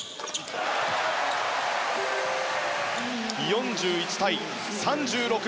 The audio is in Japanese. ４１対３６。